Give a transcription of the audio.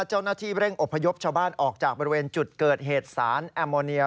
เจ้าหน้าที่เร่งอพยพชาวบ้านออกจากบริเวณจุดเกิดเหตุสารแอมโมเนีย